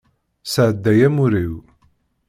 Sεeddaɣ amur-iw.